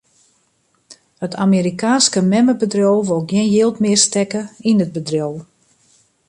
It Amerikaanske memmebedriuw wol gjin jild mear stekke yn it bedriuw.